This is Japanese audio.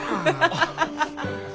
ハハハハハ。